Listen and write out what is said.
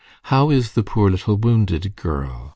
"How is the poor little wounded girl?"